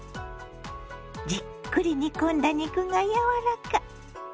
じっくり煮込んだ肉が柔らか。